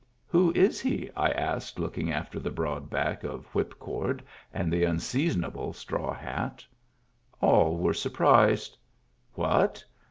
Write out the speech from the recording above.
" Who is he ?*' I asked, looking after the broad back of whipcord and the unseasonable straw hat. All were surprised. What?